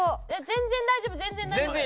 全然大丈夫全然大丈夫。